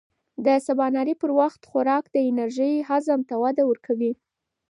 د سباناري پر وخت خوراک د انرژۍ هضم ته وده ورکوي.